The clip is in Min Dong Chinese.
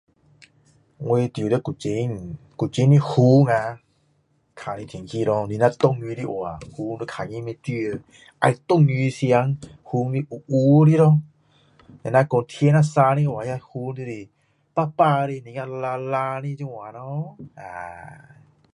我住在古晋古晋的云呀看它的天气咯你如果说云你看它不对要下雨时间云是黑黑的咯如果天气书热的话那个云就是白白的蓝蓝的这样咯